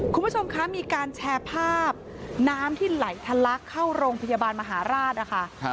คุณผู้ชมคะมีการแชร์ภาพน้ำที่ไหลทะลักเข้าโรงพยาบาลมหาราชนะคะ